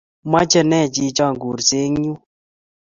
Moche ne chichon kursei eng' yun?